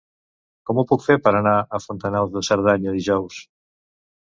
Com ho puc fer per anar a Fontanals de Cerdanya dijous?